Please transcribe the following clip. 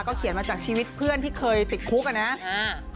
เขียนมาจากชีวิตเพื่อนที่เคยติดคุกอ่ะนะ